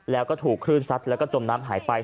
แล้วก็ถูกคลื่นซัดแล้วก็จมน้ำหายไป